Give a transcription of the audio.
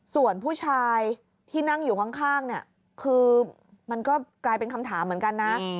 ส่วนผู้ชายที่นั่งอยู่ข้างเนี่ยคือมันก็กลายเป็นคำถามเหมือนกันนะ